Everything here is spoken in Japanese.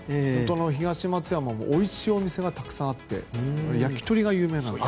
東松山もおいしいお店がたくさんあって焼き鳥が有名なんです。